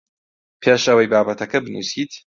پێش ئەوەی بابەتەکەت بنووسیت